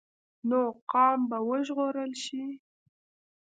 نو قام به وژغورل شي.